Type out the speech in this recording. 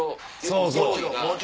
そうそう。